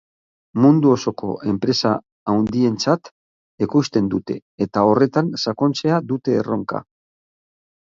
Mundu osoko enpresa handientzat ekoizten dute eta horretan sakontzea dute erronka.